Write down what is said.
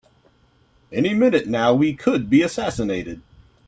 Any minute now we could be assassinated!